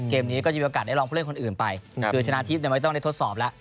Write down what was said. นี้ก็จะมีโอกาสได้ลองผู้เล่นคนอื่นไปคือชนะทิพย์ไม่ต้องได้ทดสอบแล้ว